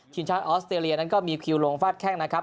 ทีมชาติออสเตรเลียนั้นก็มีคิวลงฟาดแข้งนะครับ